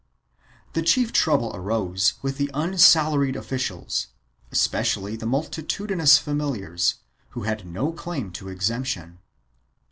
1 The chief trouble arose with the unsalaried officials, especially the multitudinous familiars, who had no claim to exemption.